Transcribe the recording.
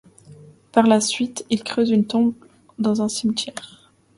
Par la suite, ils creusent une tombe dans un cimetière.